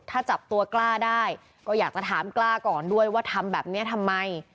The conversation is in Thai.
ถ้าจับตัวกล้าได้ก็อยากจะถามกล้าก่อนด้วยว่าทำแบบนี้ทำไม